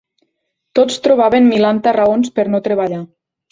Tots trobaven milanta raons per no treballar.